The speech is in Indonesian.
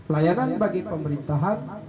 layanan bagi pemerintahan